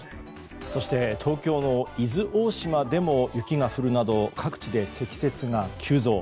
そして東京の伊豆大島でも雪が降るなど各地で積雪が急増。